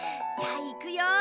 じゃあいくよ。